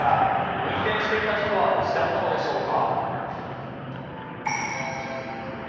運転していた人は無事だったのでしょうか。